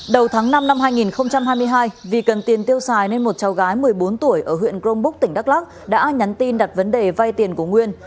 đầu tháng năm năm hai nghìn hai mươi hai vì cần tiền tiêu xài nên một cháu gái một mươi bốn tuổi ở huyện grong búc tỉnh đắk lắc đã nhắn tin đặt vấn đề vay tiền của nguyên